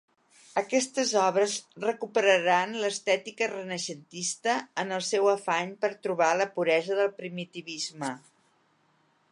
Aquestes obres recuperaran l'estètica renaixentista en el seu afany per trobar la puresa del primitivisme.